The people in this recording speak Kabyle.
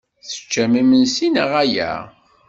Teččam imensi neɣ ala?